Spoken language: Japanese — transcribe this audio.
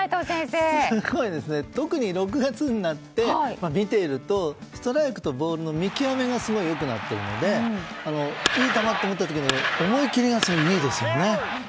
特に６月になって見ているとストライクとボールの見極めが良くなっているのでいい球と思った時に思い切りがいいですよね。